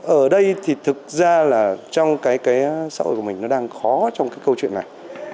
ở đây thì thực ra là trong cái xã hội của mình nó đang khó trong cái câu chuyện này